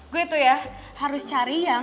gue itu ya harus cari yang